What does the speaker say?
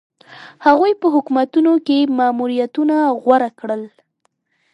هغوی په حکومتونو کې ماموریتونه غوره کړل.